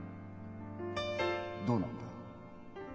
どうなんだ？